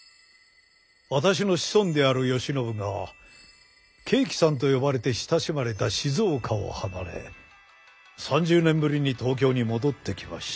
私の子孫である慶喜がケーキさんと呼ばれて親しまれた静岡を離れ３０年ぶりに東京に戻ってきました。